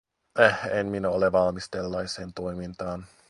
Äh, en minä ole valmis tällaiseen toimintaan.